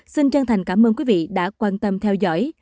xin chân thành cảm ơn quý vị đã quan tâm theo dõi